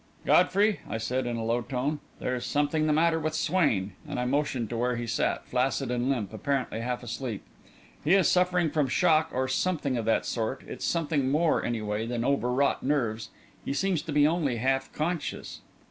"Godfrey," I said, in a low tone, "there's something the matter with Swain," and I motioned to where he sat, flaccid and limp, apparently half asleep. "He is suffering from shock, or something of that sort. It's something more, anyway, than over wrought nerves. He seems to be only half conscious."